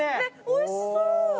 おいしそう！